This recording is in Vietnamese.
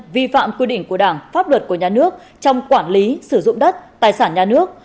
vi phạm quy định của đảng pháp luật của nhà nước trong quản lý sử dụng đất tài sản nhà nước